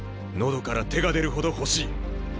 喉から手が出るほど欲しい！